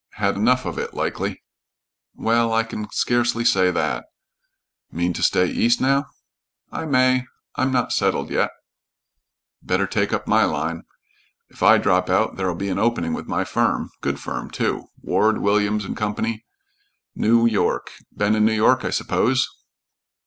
"Had enough of it, likely?" "Well, I can scarcely say that." "Mean to stay east now?" "I may. I'm not settled yet." "Better take up my line. If I drop out, there'll be an opening with my firm good firm, too. Ward, Williams & Co., New York. Been in New York, I suppose?"